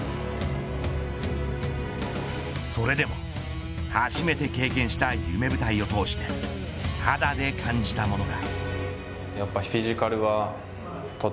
それでも初めて経験した夢舞台を通して肌で感じたものが。